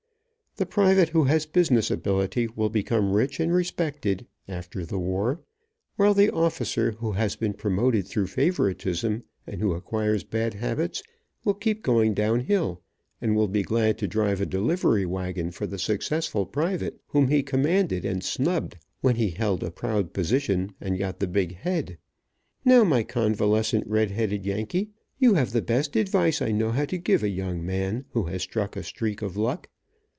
The private, who has business ability, will become rich and respected, after the war, while the officer, who has been promoted through favoritism, and who acquires bad habits, will keep going down hill, and will be glad to drive a delivery wagon for the successful private, whom he commanded and snubbed when he held a proud position and got the big head. Now, my convalescent red headed yankee, you have the best advice, I know how to give a young man who has struck a streak of luck.